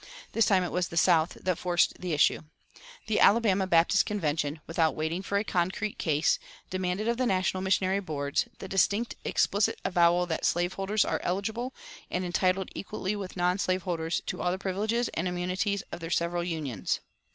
This time it was the South that forced the issue. The Alabama Baptist Convention, without waiting for a concrete case, demanded of the national missionary boards "the distinct, explicit avowal that slave holders are eligible and entitled equally with non slave holders to all the privileges and immunities of their several unions."